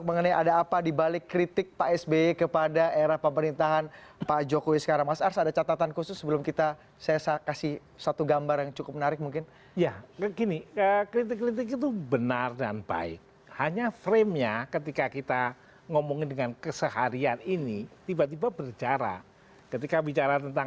sebentar kami akan kembali bersajar berikutnya